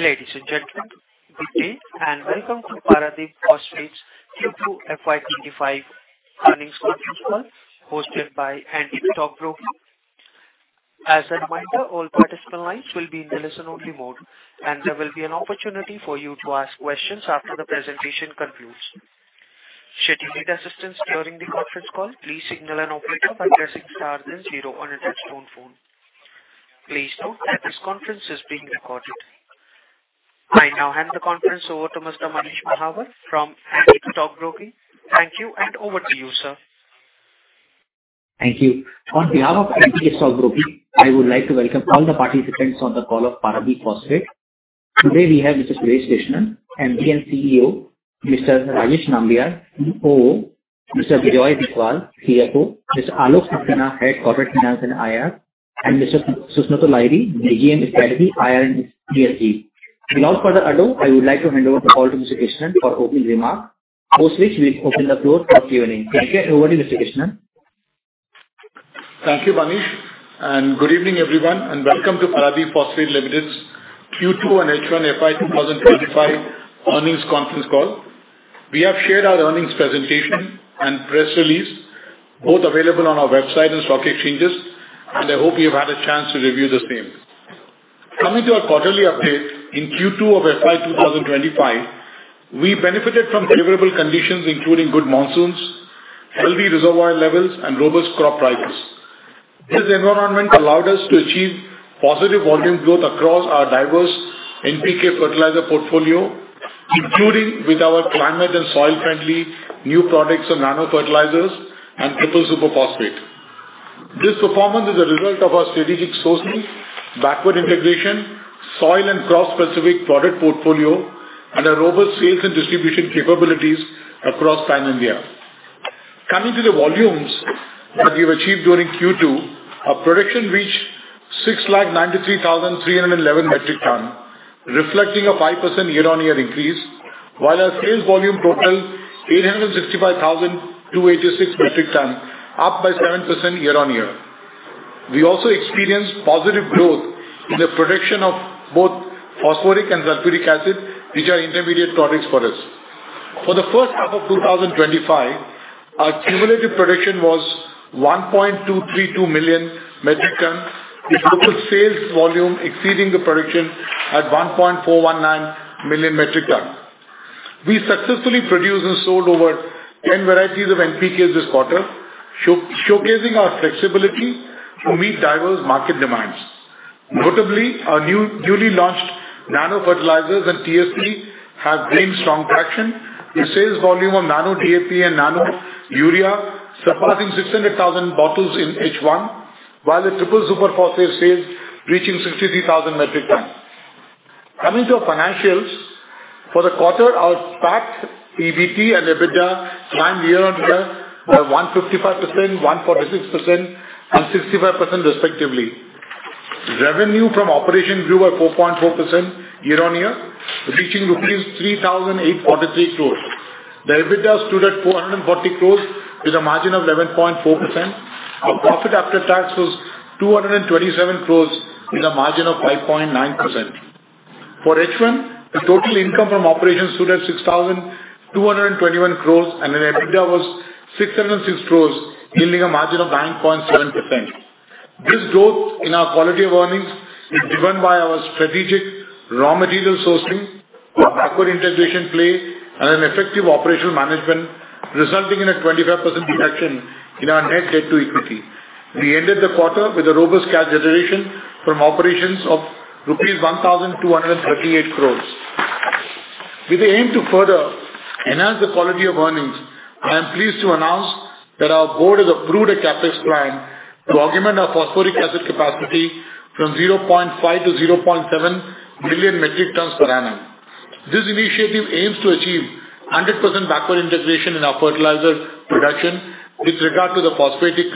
Ladies and gentlemen, good day and welcome to Paradeep Phosphates Q2 FY25 Earnings Call, hosted by Antique Stock Broking. As a reminder, all participant lines will be in the listen-only mode, and there will be an opportunity for you to ask questions after the presentation concludes. Should you need assistance during the conference call, please signal an operator by pressing star then zero on a touch-tone phone. Please note that this conference is being recorded. I now hand the conference over to Mr. Manish Mahawar from Antique Stock Broking. Thank you, and over to you, sir. Thank you. On behalf of Antique Stock Broking, I would like to welcome all the participants on the call of Paradeep Phosphates. Today we have Mr. Suresh Krishnan, MD and CEO, Mr. Rajeev Nambiar, COO, Mr. Bijoy Kumar Biswal, CFO, Mr. Alok Saxena, Head Corporate Finance and IR, and Mr. Susnato Lahiri, AVP Strategy, IR and ESG. Without further ado, I would like to hand over the call to Mr. Krishnan for opening remarks, post which we will open the floor for Q&A. Thank you. Over to you, Mr. Krishnan. Thank you, Manish, and good evening, everyone, and welcome to Paradeep Phosphates Limited's Q2 and H1 FY2025 earnings conference call. We have shared our earnings presentation and press release, both available on our website and stock exchanges, and I hope you've had a chance to review the same. Coming to our quarterly update, in Q2 of FY2025, we benefited from favorable conditions including good monsoons, healthy reservoir levels, and robust crop prices. This environment allowed us to achieve positive volume growth across our diverse NPK fertilizer portfolio, including with our climate and soil-friendly new products of nano-fertilizers and triple super phosphate. This performance is a result of our strategic sourcing, backward integration, soil and crop-specific product portfolio, and our robust sales and distribution capabilities across Pan-India. Coming to the volumes that we've achieved during Q2, our production reached 693,311 metric tons, reflecting a 5% year-on-year increase, while our sales volume totaled 865,286 metric tons, up by 7% year-on-year. We also experienced positive growth in the production of both phosphoric acid and sulfuric acid, which are intermediate products for us. For the first half of 2025, our cumulative production was 1.232 million metric tons, with total sales volume exceeding the production at 1.419 million metric tons. We successfully produced and sold over 10 varieties of NPKs this quarter, showcasing our flexibility to meet diverse market demands. Notably, our newly launched nano-fertilizers and TSP have gained strong traction. The sales volume of Nano DAP and Nano Urea surpassing 600,000 bottles in H1, while the triple super phosphate sales reaching 63,000 metric tons. Coming to our financials, for the quarter, our PAT, EBITDA, and EBITDA climbed year-on-year by 155%, 146%, and 65%, respectively. Revenue from operations grew by 4.4% year-on-year, reaching rupees 3,843 crores. The EBITDA stood at 440 crores with a margin of 11.4%. Our profit after tax was 227 crores with a margin of 5.9%. For H1, the total income from operations stood at 6,221 crores, and the EBITDA was 606 crores, yielding a margin of 9.7%. This growth in our quality of earnings is driven by our strategic raw material sourcing, our backward integration play, and an effective operational management, resulting in a 25% reduction in our Net Debt-to-Equity. We ended the quarter with a robust cash generation from operations of rupees 1,238 crores. With the aim to further enhance the quality of earnings, I am pleased to announce that our board has approved a CapEx plan to augment our phosphoric acid capacity from 0.5 to 0.7 million metric tons per annum. This initiative aims to achieve 100% backward integration in our fertilizer production with regard to the phosphatic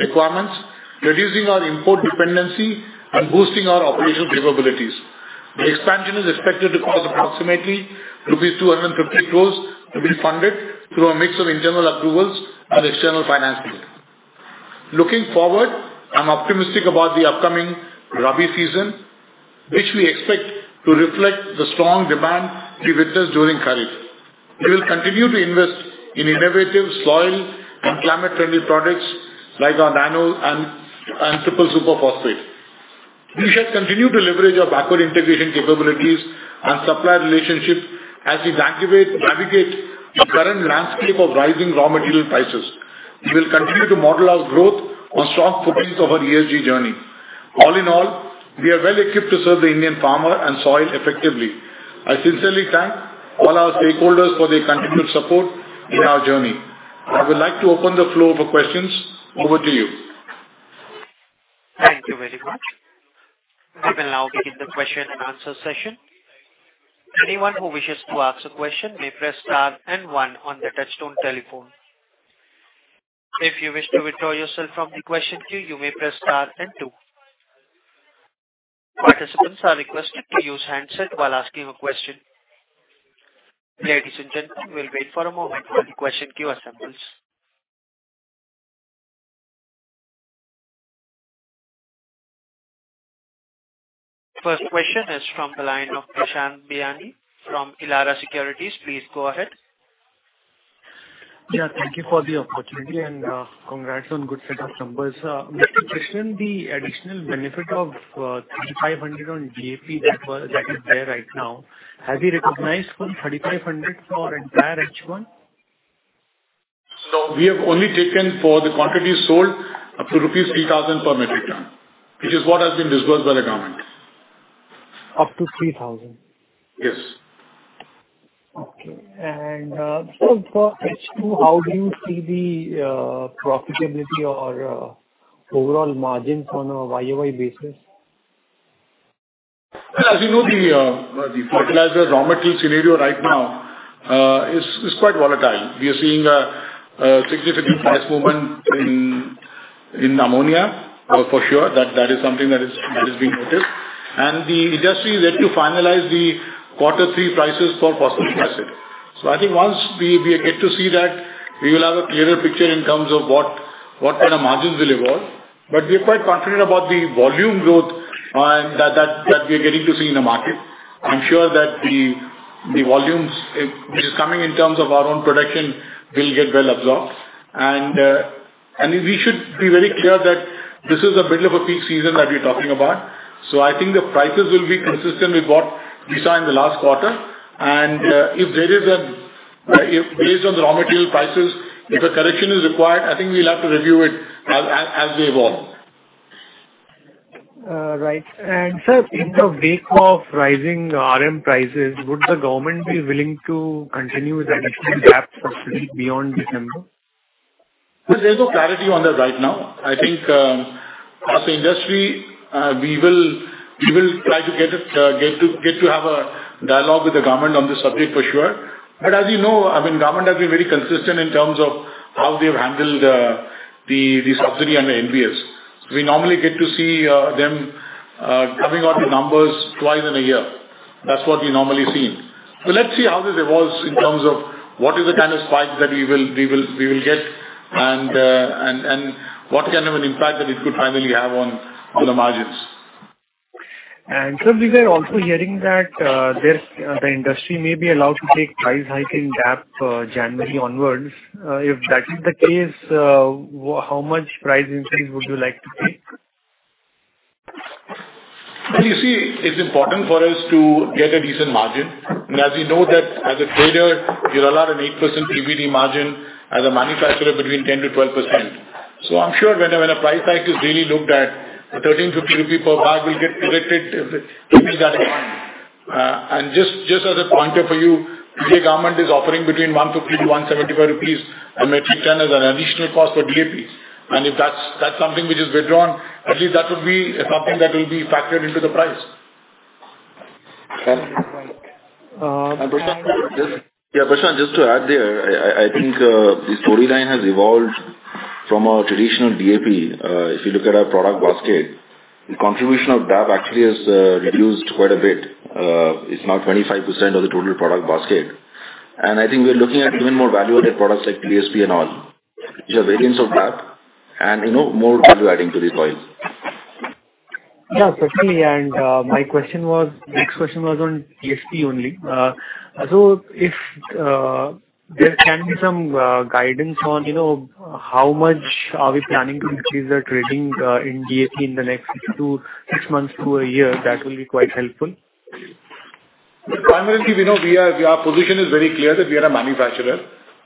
requirements, reducing our import dependency and boosting our operational capabilities. The expansion is expected to cost approximately rupees 250 crores to be funded through a mix of internal accruals and external financing. Looking forward, I'm optimistic about the upcoming Rabi season, which we expect to reflect the strong demand we witnessed during Kharif. We will continue to invest in innovative soil and climate-friendly products like our nano and triple super phosphate. We shall continue to leverage our backward integration capabilities and supply relationship as we navigate the current landscape of rising raw material prices. We will continue to model our growth on strong footings of our ESG journey. All in all, we are well equipped to serve the Indian farmer and soil effectively. I sincerely thank all our stakeholders for their continued support in our journey. I would like to open the floor for questions. Over to you. Thank you very much. We will now begin the question and answer session. Anyone who wishes to ask a question may press star and one on the touch-tone telephone. If you wish to withdraw yourself from the question queue, you may press star and two. Participants are requested to use the handset while asking a question. Ladies and gentlemen, we'll wait for a moment while the question queue assembles. First question is from the line of Prashant Biyani from Elara Securities. Please go ahead. Yeah, thank you for the opportunity and congrats on good set of numbers. Mr. Krishnan, the additional benefit of 3,500 on DAP that is there right now, have you recognized 3,500 for entire H1? No. We have only taken for the quantity sold up to rupees 3,000 per metric ton, which is what has been disbursed by the government. Up to 3,000? Yes. For H2, how do you see the profitability or overall margins on a YoY basis? As you know, the fertilizer raw material scenario right now is quite volatile. We are seeing a significant price movement in ammonia, for sure. That is something that is being noticed. And the industry is yet to finalize the quarter three prices for phosphoric acid. So I think once we get to see that, we will have a clearer picture in terms of what kind of margins will evolve. But we are quite confident about the volume growth that we are getting to see in the market. I'm sure that the volumes which are coming in terms of our own production will get well absorbed. And we should be very clear that this is a bit of a peak season that we're talking about. So I think the prices will be consistent with what we saw in the last quarter. If there is, based on the raw material prices, if a correction is required, I think we'll have to review it as they evolve. Right. And sir, in the wake of rising RM prices, would the government be willing to continue with additional caps of beyond December? There's no clarity on that right now. I think as the industry, we will try to get to have a dialogue with the government on this subject, for sure. But as you know, I mean, government has been very consistent in terms of how they've handled the subsidy and the NBS. We normally get to see them coming out with numbers twice in a year. That's what we normally see. So let's see how this evolves in terms of what is the kind of spike that we will get and what kind of an impact that it could finally have on the margins. Sir, we were also hearing that the industry may be allowed to take price hike and gap January onwards. If that's the case, how much price increase would you like to take? You see, it's important for us to get a decent margin. And as you know that as a trader, you're allowed an 8% PBT margin, as a manufacturer between 10%-12%. So I'm sure when a price hike is really looked at, the INR 13.50 per bag will get corrected in that time. And just as a pointer for you, today government is offering between 150-175 rupees a metric ton as an additional cost for DAP. And if that's something which is withdrawn, at least that would be something that will be factored into the price. Right. Yeah, Krishnan, just to add there, I think the storyline has evolved from our traditional DAP. If you look at our product basket, the contribution of DAP actually has reduced quite a bit. It's now 25% of the total product basket. And I think we're looking at even more value-added products like TSP and all, which are variants of DAP, and more value-adding to the soil. Yeah, certainly. And my question was, next question was on TSP only. So if there can be some guidance on how much are we planning to increase the trading in DAP in the next six months to a year, that will be quite helpful. Primarily, we know our position is very clear that we are a manufacturer.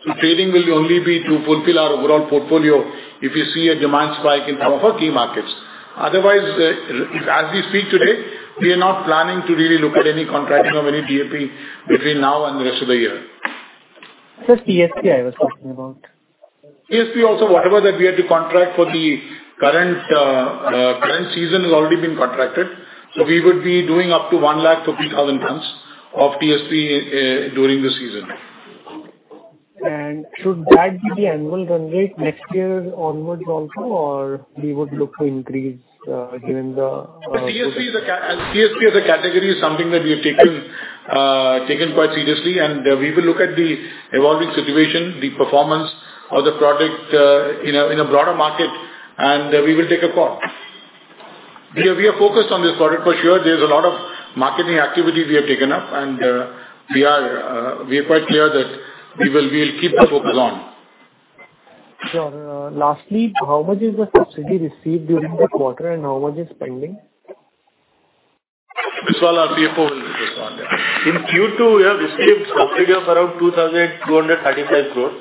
So trading will only be to fulfill our overall portfolio if we see a demand spike in some of our key markets. Otherwise, as we speak today, we are not planning to really look at any contracting of any DAP between now and the rest of the year. Sir, TSP I was talking about. TSP also, whatever that we had to contract for the current season has already been contracted. So we would be doing up to 150,000 tons of TSP during the season. Should that be the annual run rate next year onwards also, or we would look to increase given the? TSP as a category is something that we have taken quite seriously, and we will look at the evolving situation, the performance of the product in a broader market, and we will take a call. We are focused on this product, for sure. There's a lot of marketing activity we have taken up, and we are quite clear that we will keep the focus on. Sure. Lastly, how much is the subsidy received during the quarter, and how much is pending? This is all our CFO will respond. In Q2, we have received a subsidy of around 2,235 crores,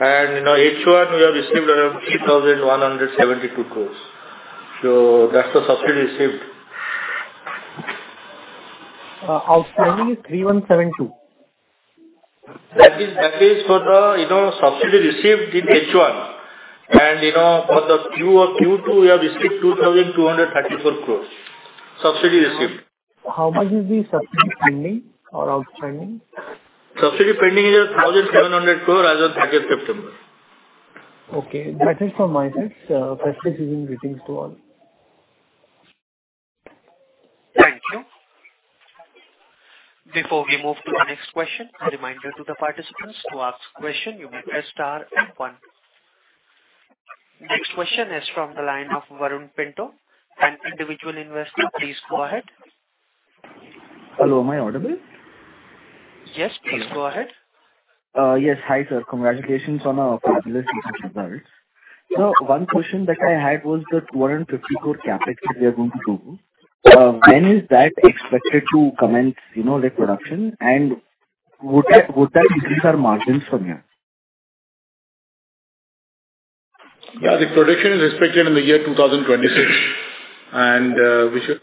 and in H1, we have received around 3,172 crores. So that's the subsidy received. Outstanding is 3,172. That is for the subsidy received in H1. And for the Q2, we have received 2,234 crores subsidy received. How much is the subsidy pending or outstanding? Subsidy pending is 1,700 crores as of 30th September. Okay. That is from my side. Best wishes and greetings to all. Thank you. Before we move to the next question, a reminder to the participants to ask questions. You may press star and one. Next question is from the line of Varun Pinto, an individual investor. Please go ahead. Hello. Am I audible? Yes, please go ahead. Yes. Hi, sir. Congratulations on our Q2 results. So one question that I had was the 250 crore CapEx that we are going to do. When is that expected to commence production? And would that increase our margins from here? Yeah. The production is expected in the year 2026, and we should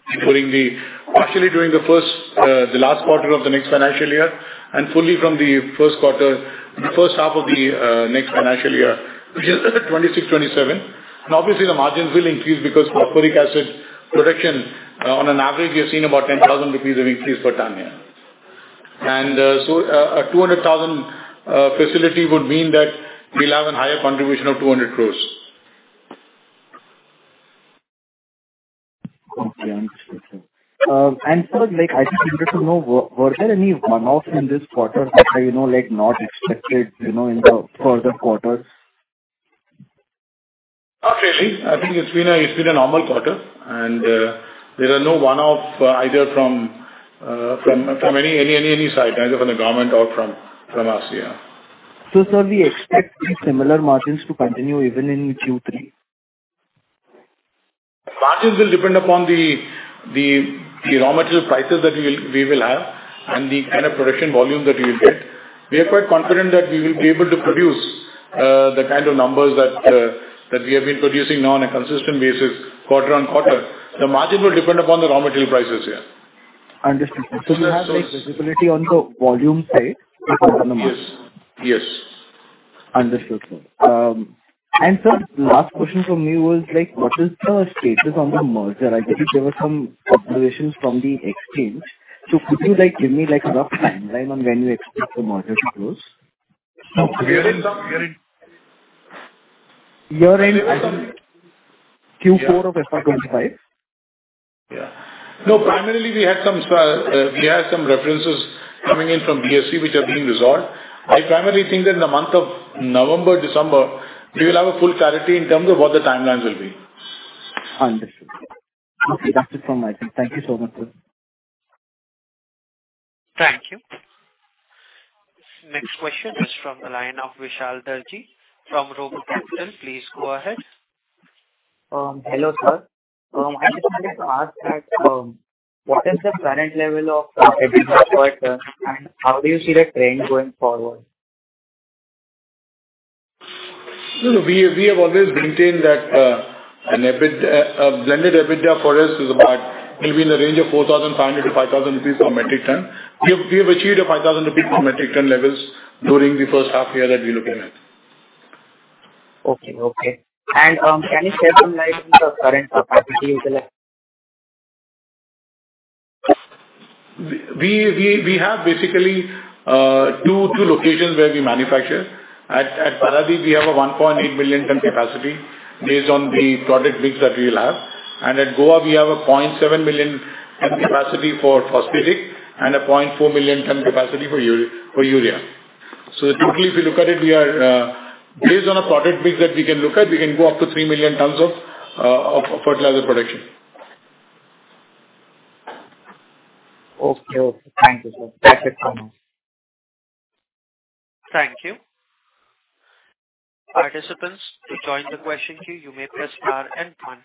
be partially doing the last quarter of the next financial year and fully from the first half of the next financial year, which is 2026-2027. And obviously, the margins will increase because phosphoric acid production, on an average, we have seen about 10,000 rupees of increase per ton. And so a 200,000 facility would mean that we'll have a higher contribution of 200 crores. Okay. Understood. And sir, I just wanted to know, were there any one-offs in this quarter that are not expected in the further quarters? Not really. I think it's been a normal quarter, and there are no one-offs either from any side, either from the government or from us. Yeah. So sir, we expect similar margins to continue even in Q3? Margins will depend upon the raw material prices that we will have and the kind of production volume that we will get. We are quite confident that we will be able to produce the kind of numbers that we have been producing now on a consistent basis, quarter on quarter. The margin will depend upon the raw material prices. Yeah. Understood. So you have visibility on the volume side in terms of the margins? Yes. Yes. Understood. And sir, the last question from me was, what is the status on the merger? I believe there were some observations from the exchange. So could you give me a rough timeline on when you expect the merger to close? We are in. You're in Q4 of FY25? Yeah. No, primarily, we had some references coming in from BSE, which have been resolved. I primarily think that in the month of November, December, we will have a full clarity in terms of what the timelines will be. Understood. Okay. That's it from my side. Thank you so much, sir. Thank you. Next question is from the line of Vishal Darji from RoboCapital. Please go ahead. Hello, sir. I just wanted to ask that what is the current level of EBITDA per ton? And how do you see that trend going forward? We have always maintained that an EBITDA, a blended EBITDA for us is about, it'll be in the range of 4,500 to 5,000 rupees per metric ton. We have achieved a 5,000 rupees per metric ton levels during the first half year that we looked at. Okay. And can you shed some light on the current capacity? We have basically two locations where we manufacture. At Paradeep, we have a 1.8 million ton capacity based on the product mix that we will have. And at Goa, we have a 0.7 million ton capacity for phosphatic and a 0.4 million ton capacity for urea. So totally, if you look at it, we are based on a product mix that we can look at, we can go up to 3 million tons of fertilizer production. Okay. Okay. Thank you, sir. That's it from me. Thank you. Participants, to join the question queue, you may press star and one.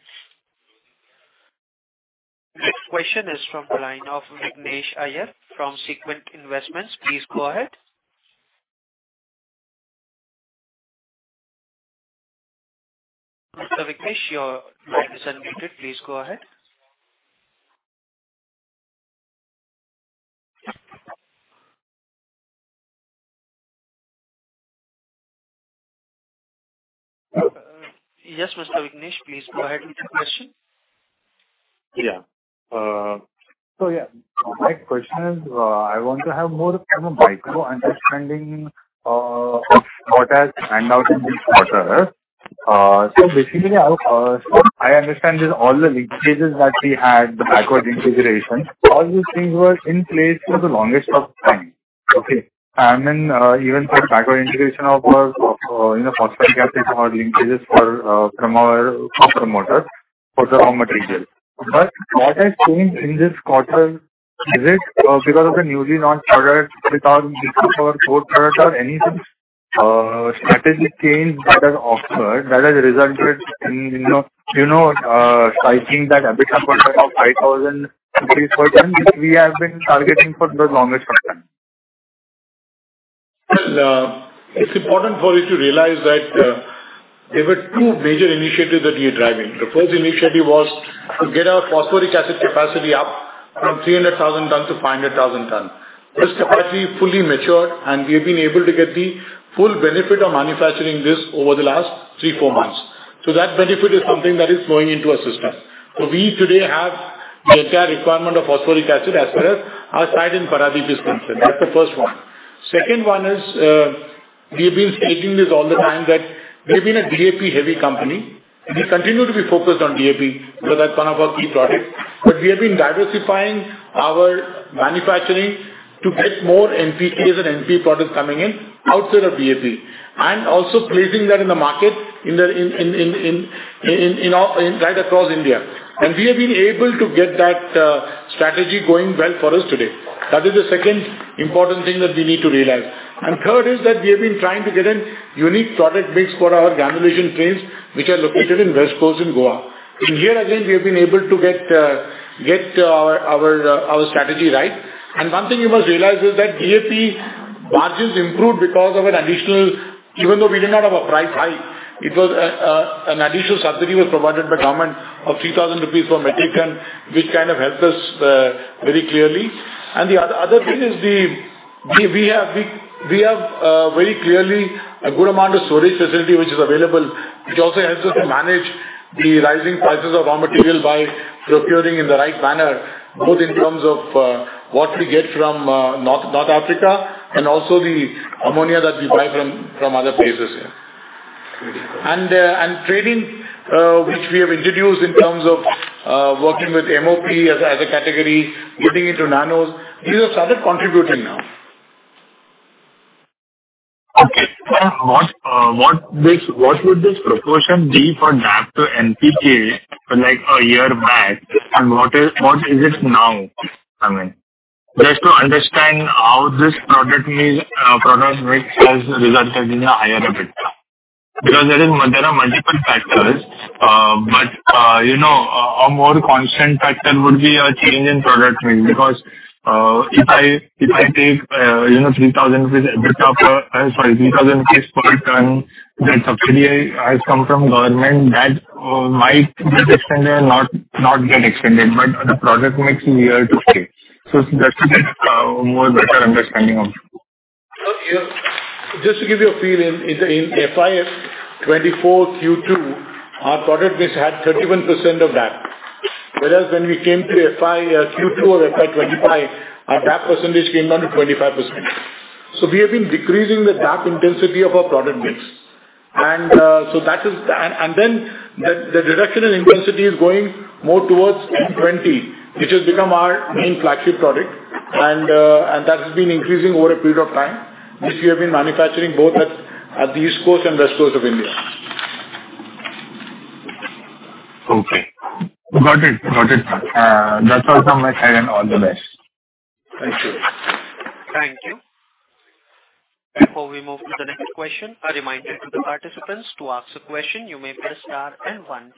Next question is from the line of Vignesh Iyer from Sequent Investments. Please go ahead. Mr. Vignesh, your line is unmuted. Please go ahead. Yes, Mr. Vignesh, please go ahead with your question. Yeah, so yeah, my question is, I want to have more of a micro understanding of what has panned out in this quarter, so basically, I understand all the linkages that we had, the backward integration. All these things were in place for the longest of time. Okay, and then even for backward integration of our phosphoric acid or linkages from our co-promoter for the raw materials, but what has changed in this quarter? Is it because of the newly launched products without mixing our core product or anything? Strategic gains that have occurred that have resulted in striking that EBITDA quarter of 5,000 rupees per ton, which we have been targeting for the longest of time. It's important for you to realize that there were two major initiatives that we are driving. The first initiative was to get our phosphoric acid capacity up from 300,000 tons-500,000 tons. This capacity fully matured, and we have been able to get the full benefit of manufacturing this over the last three, four months. That benefit is something that is flowing into our system. We today have the entire requirement of phosphoric acid as far as our site in Paradeep is concerned. That's the first one. Second one is we have been stating this all the time that we have been a DAP-heavy company. We continue to be focused on DAP because that's one of our key products. But we have been diversifying our manufacturing to get more NPKs and NP products coming in outside of DAP and also placing that in the market right across India. And we have been able to get that strategy going well for us today. That is the second important thing that we need to realize. And third is that we have been trying to get a unique product mix for our granulation trains, which are located in West Coast in Goa. And here again, we have been able to get our strategy right. And one thing you must realize is that DAP margins improved because of an additional, even though we did not have a price hike, an additional subsidy was provided by government of 3,000 rupees per metric ton, which kind of helped us very clearly. And the other thing is we have very clearly a good amount of storage facility which is available, which also helps us to manage the rising prices of raw material by procuring in the right manner, both in terms of what we get from North Africa and also the ammonia that we buy from other places. And trading, which we have introduced in terms of working with MOP as a category, getting into nanos, these have started contributing now. Okay. What would this proportion be for DAP to NPK like a year back? And what is it now? I mean, just to understand how this product mix has resulted in a higher EBITDA. Because there are multiple factors, but a more constant factor would be a change in product mix because if I take 3,000 rupees EBITDA per, sorry, 3,000 rupees per ton that subsidy has come from government, that might get extended or not get extended, but the product mix is here to stay. So just to get a more better understanding of. Just to give you a feel, in FY24 Q2, our product mix had 31% of DAP. Whereas when we came to Q2 of FY25, our DAP percentage came down to 25%. So we have been decreasing the DAP intensity of our product mix. And then the reduction in intensity is going more towards 20, which has become our main flagship product, and that has been increasing over a period of time which we have been manufacturing both at the East Coast and West Coast of India. Okay. Got it. Got it. That's all from my side, and all the best. Thank you. Thank you. Before we move to the next question, a reminder to the participants to ask a question. You may press star and one.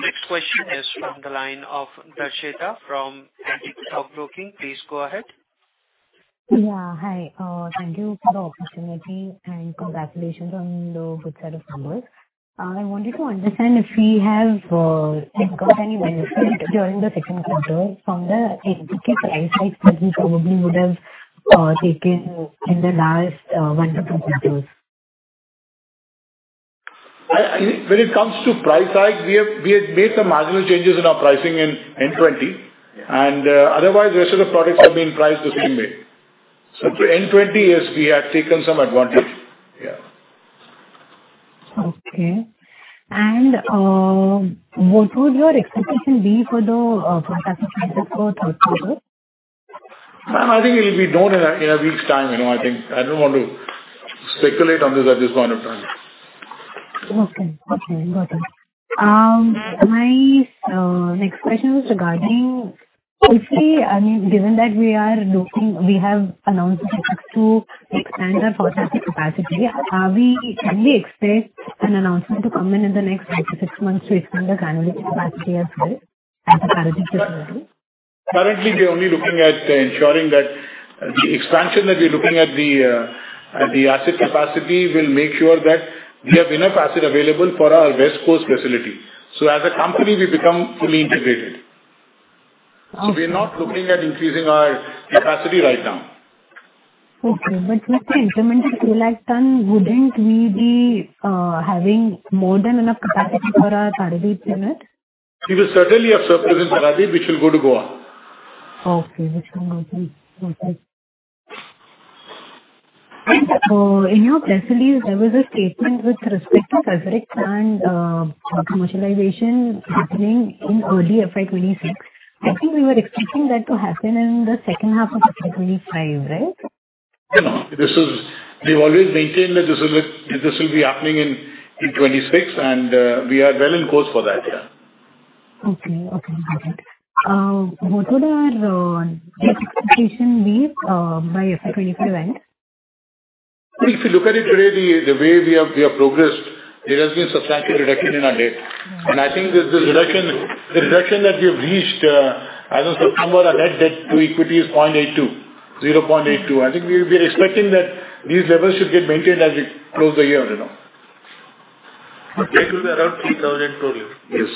Next question is from the line of Darshita from Antique Stock Broking. Please go ahead. Yeah. Hi. Thank you for the opportunity and congratulations on the good set of numbers. I wanted to understand if we have got any benefit during the second quarter from the NPK price hikes that we probably would have taken in the last one to two quarters? When it comes to price hike, we have made some marginal changes in our pricing in N20. And otherwise, the rest of the products have been priced the same way. So N20 is we have taken some advantage. Yeah. Okay. And what would your expectation be for the price hikes for the third quarter? I think it will be known in a week's time. I don't want to speculate on this at this point of time. Okay. Okay. Got it. My next question is regarding if we, I mean, given that we have announced to expand our phosphoric acid capacity, can we expect an announcement to come in in the next three to six months to expand the granulation capacity as well as the current facility? Currently, we are only looking at ensuring that the expansion that we're looking at the acid capacity will make sure that we have enough acid available for our West Coast facility, so as a company, we become fully integrated, so we are not looking at increasing our capacity right now. Okay. But with the implemented two lakh ton, wouldn't we be having more than enough capacity for our Paradeep unit? We will certainly have surplus in Paradeep, which will go to Goa. Which will go to Goa. And in your press release, there was a statement with respect to phosphoric plant commercialization happening in early FY26. I think we were expecting that to happen in the second half of FY25, right? Yeah. We have always maintained that this will be happening in 26, and we are well in course for that. Yeah. Okay. Okay. Got it. What would our expectation be by FY25 end? If you look at it today, the way we have progressed, there has been a substantial reduction in our debt. I think the reduction that we have reached as of September, our Net Debt to Equity is 0.82, 0.82. I think we are expecting that these levels should get maintained as we close the year. Okay. It will be around 3,000 crore, yes.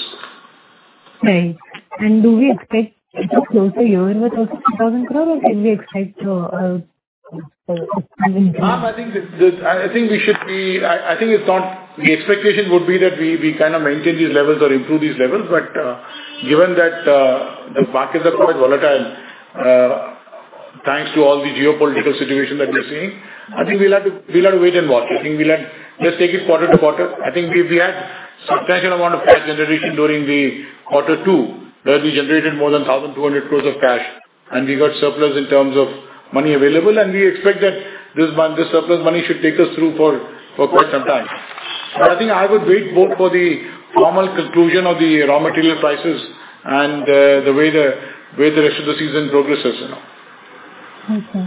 Nice. And do we expect to close the year with 3,000 crore or did we expect to increase? I think the expectation would be that we kind of maintain these levels or improve these levels, but given that the markets are quite volatile thanks to all the geopolitical situation that we're seeing, I think we'll have to wait and watch. I think we'll have to just take it quarter to quarter. I think we had a substantial amount of cash generation during the quarter two where we generated more than 1,200 crores of cash, and we got surplus in terms of money available, and we expect that this surplus money should take us through for quite some time, but I think I would wait both for the formal conclusion of the raw material prices and the way the rest of the season progresses. Okay.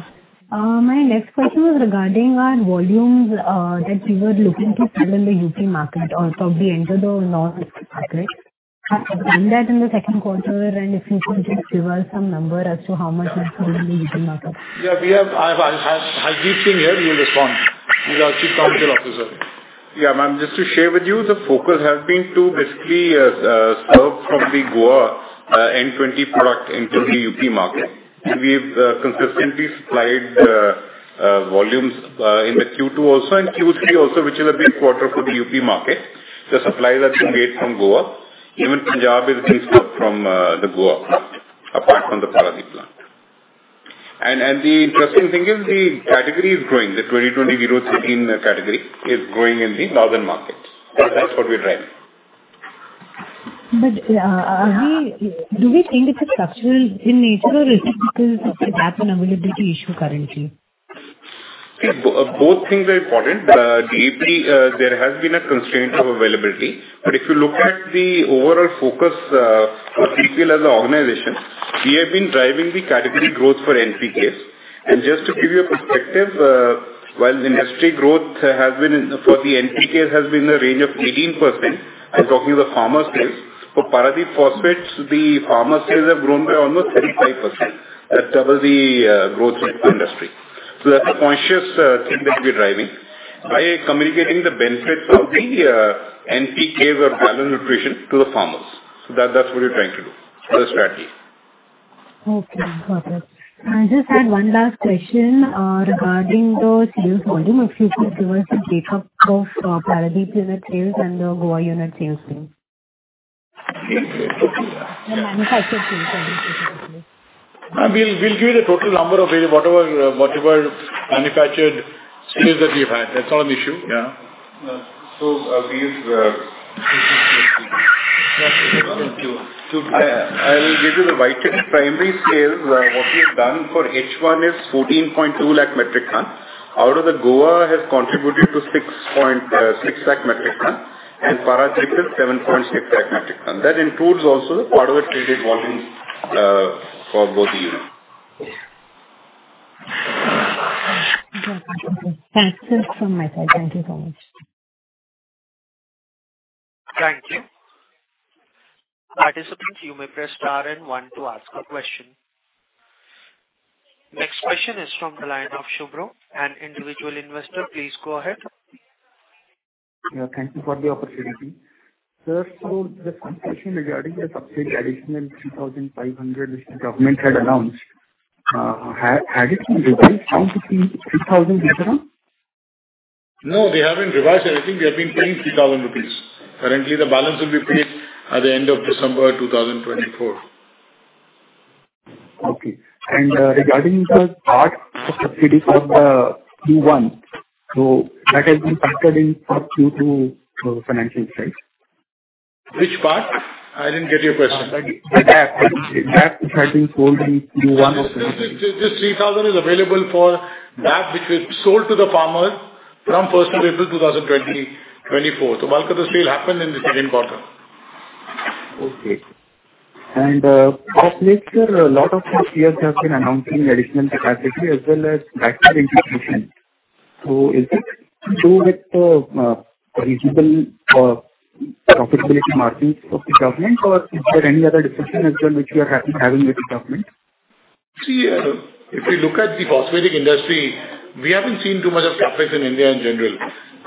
My next question was regarding our volumes that we were looking to sell in the UP market or probably enter the North market. Have you done that in the second quarter? And if you could just give us some number as to how much you've sold in the UP market? Yeah. Harshdeep Singh here. We'll respond. He's our Chief Commercial Officer. Yeah. Ma'am, just to share with you, the focus has been to basically serve from the Goa N20 product into the UP market. We have consistently supplied volumes in the Q2 also and Q3 also, which is a big quarter for the UP market. The supplies have been made from Goa. Even Punjab is being stocked from the Goa plant apart from the Paradeep plant. And the interesting thing is the category is growing. The 20-20-0-13 category is growing in the Northern market. So that's what we're driving. But do we think it's a structural in nature or is it just a cap in availability issue currently? Both things are important. The DAP, there has been a constraint of availability, but if you look at the overall focus of TPL as an organization, we have been driving the category growth for NPKs, and just to give you a perspective, while industry growth for the NPKs has been in the range of 18%. I'm talking the farmer sales. For Paradeep Phosphates, the farmer sales have grown by almost 35%. That's double the growth in the industry, so that's a conscious thing that we're driving by communicating the benefits of the NPKs or granular nutrition to the farmers, so that's what we're trying to do as a strategy. Okay. Got it. I just had one last question regarding those sales volume. If you could give us a breakup of Paradeep unit sales and the Goa unit sales thing. We'll give you the total number of whatever manufactured sales that we've had. That's not an issue. Yeah. So I'll give you the primary sales. What we have done for H1 is 14.2 lakh metric tons. Out of that, Goa has contributed to 6.6 lakh metric tons and Paradeep is 7.6 lakh metric tons. That includes also part of the traded volumes for both the units. Excellent from my side. Thank you so much. Thank you. Participants, you may press star and one to ask a question. Next question is from the line of Shubro. An individual investor, please go ahead. Thank you for the opportunity. Sir, so the question regarding the subsidy additional 3,500 which the government had announced, had it been revised down to around 3,000 rupees? No, they haven't revised anything. They have been paying 3,000 rupees. Currently, the balance will be paid at the end of December 2024. Okay. And regarding the part of subsidy for the Q1, so that has been factored in for Q2 financial sales? Which part? I didn't get your question. The DAP which had been sold in Q1. Just 3,000 is available for DAP which was sold to the farmers from 1st of April 2024. So bulk of the sale happened in the second quarter. Okay, and last year, a lot of the players have been announcing additional capacity as well as backward integration, so is it to do with the reasonable profitability margins of the government, or is there any other discussion as well which you are having with the government? See, if you look at the phosphatic industry, we haven't seen too much of CapEx in India in general,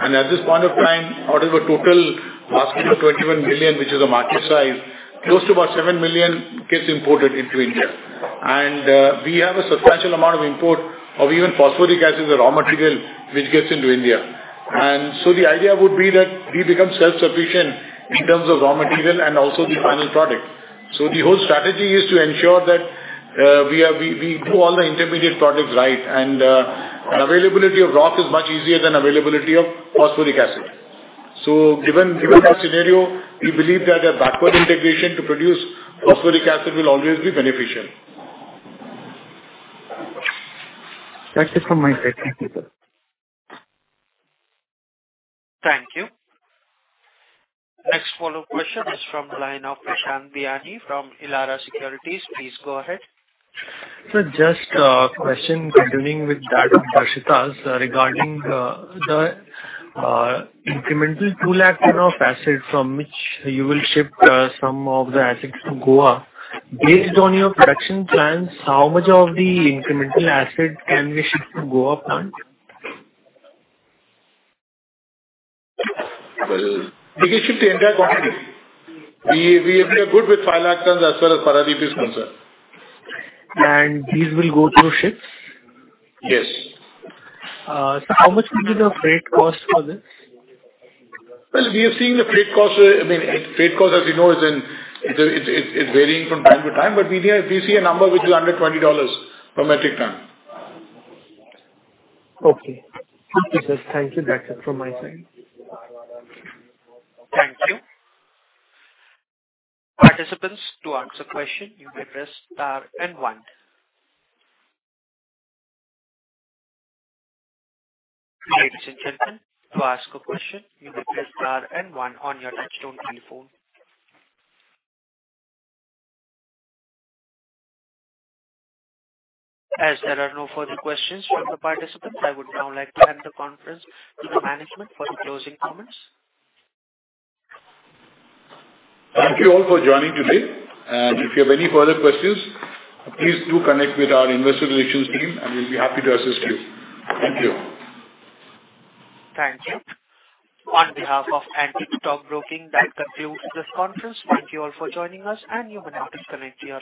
and at this point of time, out of a total basket of 21 million, which is a market size, close to about 7 million gets imported into India, and we have a substantial amount of import of even phosphoric acids or raw material which gets into India. And so the idea would be that we become self-sufficient in terms of raw material and also the final product, so the whole strategy is to ensure that we do all the intermediate products right, and availability of rock is much easier than availability of phosphoric acid, so given that scenario, we believe that a backward integration to produce phosphoric acid will always be beneficial. That is from my side. Thank you. Thank you. Next follow-up question is from the line of Prashant Biyani from Elara Securities. Please go ahead. Sir, just a question continuing with that of Darshita's regarding the incremental two lakh ton of acid from which you will ship some of the acids to Goa. Based on your production plans, how much of the incremental acid can we ship to Goa plant? We can ship to the entire country. We are good with five lakh tons as far as Paradeep is concerned. And these will go through ships? Yes. How much would be the freight cost for this? We are seeing the freight cost, I mean, as you know, is varying from time to time. We see a number which is under $20 per metric ton. Okay. Thank you, sir. Thank you. That's it from my side. Thank you. Participants, to answer question, you may press star and one. Ladies and gentlemen, to ask a question, you may press star and one on your touch-tone telephone. As there are no further questions from the participants, I would now like to hand the conference to the management for the closing comments. Thank you all for joining today. And if you have any further questions, please do connect with our investor relations team, and we'll be happy to assist you. Thank you. Thank you. On behalf of Antique Stock Broking, that concludes this conference. Thank you all for joining us, and you may now disconnect to your.